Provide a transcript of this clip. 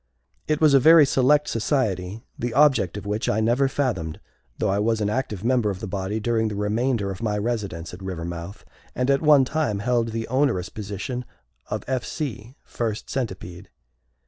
It was a very select society, the object of which I never fathomed, though I was an active member of the body during the remainder of my residence at Rivermouth, and at one time held the onerous position of F. C., First Centipede.